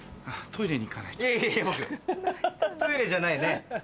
トイレじゃないね？